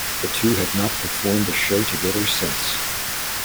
The two have not performed a show together since.